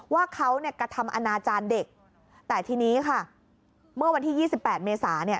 ว่าเขาเนี่ยกระทำอนาจารย์เด็กแต่ทีนี้ค่ะเมื่อวันที่๒๘เมษาเนี่ย